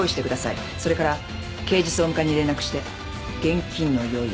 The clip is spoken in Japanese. それから刑事総務課に連絡して現金の用意を。